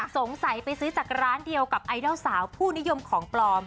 สงสัยไปซื้อจากร้านเดียวกับไอดอลสาวผู้นิยมของปลอม